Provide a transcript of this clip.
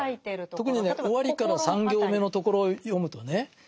特にね終わりから３行目のところを読むとね